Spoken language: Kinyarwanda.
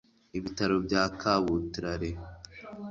ibitaro bya kabutrare